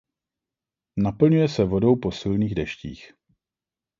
Naplňuje se vodou po silných deštích.